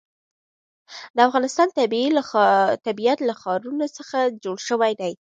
د افغانستان طبیعت له ښارونه څخه جوړ شوی دی.